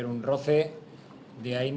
ada seorang pemain